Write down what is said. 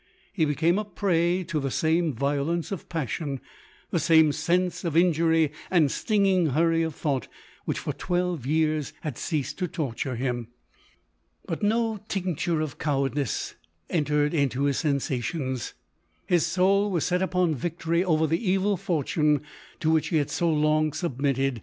He became a prey to the same violence of passion, the same sense of in jury and stinging hurry of thought, which for twelve years had ceased to torture him. But 230 LODORE. no tincture of cowardice entered into his sensa tions. His soul was set upon victory over the evil fortune to which he had so long submitted.